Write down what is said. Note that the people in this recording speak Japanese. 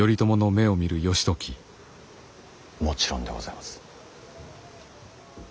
もちろんでございます。